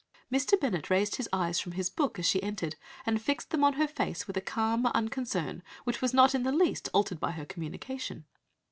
"Mr. Bennet raised his eyes from his book as she entered, and fixed them on her face with a calm unconcern, which was not in the least altered by her communication.